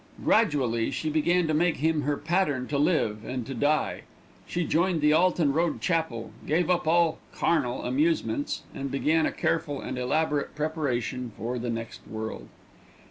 Gradually she began to make him her "pattern to live and to die." She joined the Alton Road Chapel, gave up all "carnal" amusements, and began a careful and elaborate preparation for the next world.